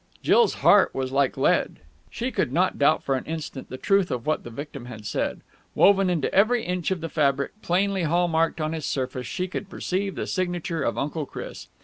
Jill's heart was like lead. She could not doubt for an instant the truth of what the victim had said. Woven into every inch of the fabric, plainly hall marked on its surface, she could perceive the signature of Uncle Chris.